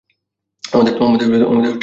আমাদের তো ঠিকমতো পরিচয়ই হয়নি।